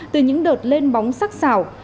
từ những đợt lên bóng sắc xảo